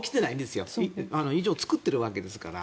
異常を作ってるわけですから。